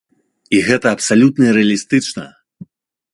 І гэта абсалютна рэалістычна.